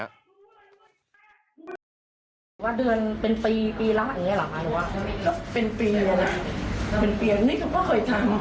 ว่าเดือนเป็นปีปีแล้วแหละหรือว่าเป็นปีแล้วนะเป็นปีแล้วนี่เขาก็เคยทำ